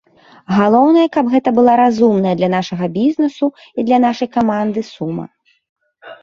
Галоўнае, каб гэта была разумная для нашага бізнесу і для нашай каманды сума.